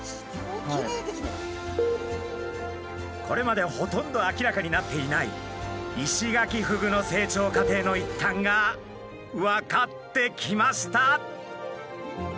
これまでほとんど明らかになっていないイシガキフグの成長過程の一端が分かってきました。